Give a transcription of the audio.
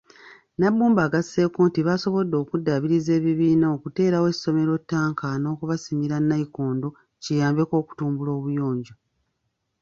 Nabbumba agasseeko nti basobodde okuddaabiriza ebibiina, okuteerawo essomero ttanka n'okubasimira Nayikondo kiyambeko okutumbula obuyonjo.